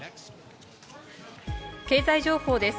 経済情報です。